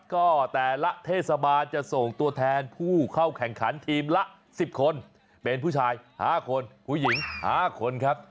ก็แต่ละเทศบาลจะส่งตัวแทนผู้เข้าแข่งขันทีมละ๑๐คนเป็นผู้ชาย๕คนผู้หญิง๕คนครับ